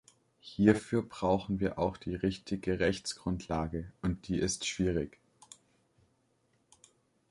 Hierfür brauchen wir auch die richtige Rechtsgrundlage, und die ist schwierig.